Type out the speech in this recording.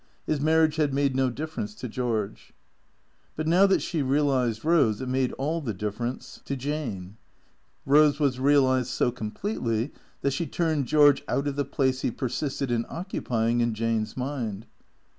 His marriage had made no difference to George. But now that she realized Eose, it made all the difference to Jane. Eose was realized so completely that she turned George out of the place he persisted in occupying in Jane's mind.